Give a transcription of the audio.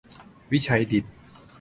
วิชัยดิษฐ